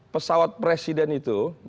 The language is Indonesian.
pesawat presiden itu